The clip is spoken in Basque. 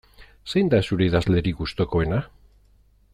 Zein da zeure idazlerik gustukoena?